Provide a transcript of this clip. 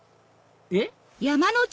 えっ？